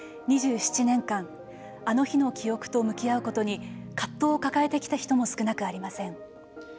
２７年間あの日の記憶と向き合うことに葛藤を抱えてきた人も少なくありません。